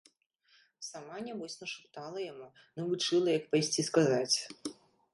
Сама, нябось, нашаптала яму, навучыла, як пайсці сказаць.